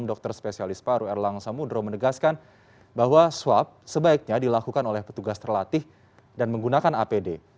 dokter spesialis paru erlang samudro menegaskan bahwa swab sebaiknya dilakukan oleh petugas terlatih dan menggunakan apd